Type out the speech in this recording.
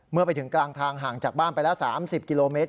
เมื่อไปถึงกลางทางห่างจากบ้านไปแล้ว๓๐กิโลเมตร